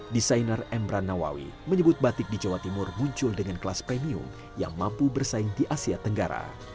desainer embran nawawi menyebut batik di jawa timur muncul dengan kelas premium yang mampu bersaing di asia tenggara